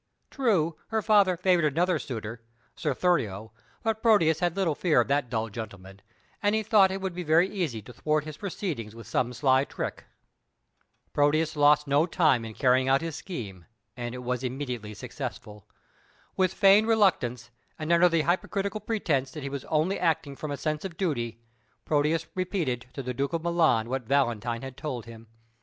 True, her father favoured another suitor, Sir Thurio, but Proteus had little fear of that dull gentleman, and he thought it would be very easy to thwart his proceedings with some sly trick. Proteus lost no time in carrying out his scheme, and it was immediately successful. With feigned reluctance, and under the hypocritical pretence that he was only acting from a sense of duty, Proteus repeated to the Duke of Milan what Valentine had told him.